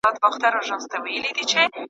د څارویو غوړ کم استعمال کړئ.